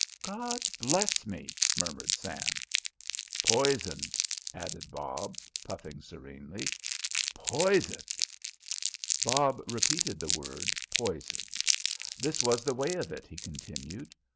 "God bless me," murmured Sam. "Poisoned," added Bob, puffing serenely. "Poisoned!" Bob repeated the word poisoned. "This was the way of it," he continued.